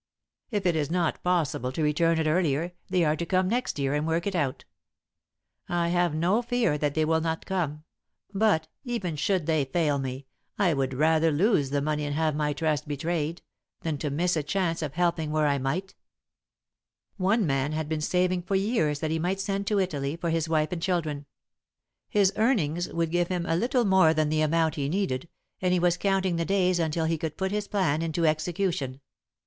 If it is not possible to return it earlier, they are to come next year and work it out. I have no fear that they will not come, but, even should they fail me, I would rather lose the money and have my trust betrayed, than to miss a chance of helping where I might. [Sidenote: A Feast for the Workers] "One man had been saving for years that he might send to Italy for his wife and children. His earnings would give him a little more than the amount he needed, and he was counting the days until he could put his plan into execution.